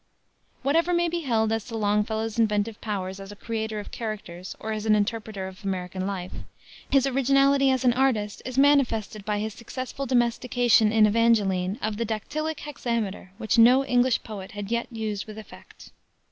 Whatever may be held as to Longfellow's inventive powers as a creator of characters or an interpreter of American life, his originality as an artist is manifested by his successful domestication in Evangeline of the dactylic hexameter, which no English poet had yet used with effect.